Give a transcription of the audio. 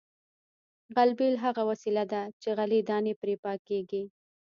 غلبېل هغه وسیله ده چې غلې دانې پرې پاکیږي